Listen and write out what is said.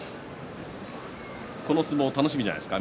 この相撲楽しみじゃないですか？